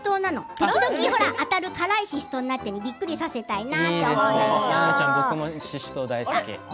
時々当たる辛いししとうになってびっくりさせたいな。